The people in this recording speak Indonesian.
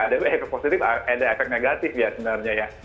ada efek positif ada efek negatif ya sebenarnya ya